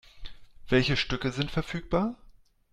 Welche Stücke sind verfügbar?